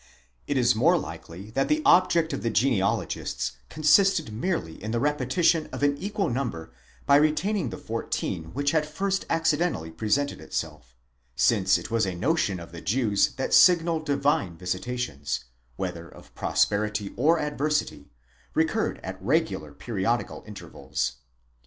It is more likely that the object of the genealogists consisted merely in the repetition of an equal number by retaining the fourteen which had first accidentally presented itself: since it was a notion of the Jews that signal—divine visitations, whether of prosperity or adversity, recurred at regular periodical intervals.